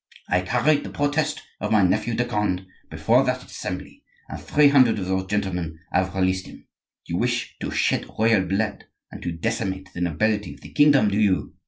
I carried the protest of my nephew de Conde before that assembly, and three hundred of those gentlemen have released him. You wish to shed royal blood and to decimate the nobility of the kingdom, do you?